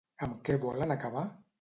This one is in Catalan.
Amb què volen acabar?